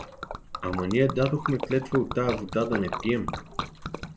Ама ние дадохме клетва от тая вода да не пием.